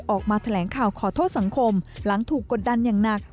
ออกมาแถลงข่าวขอโทษสังคมหลังถูกกดดันอย่างหนัก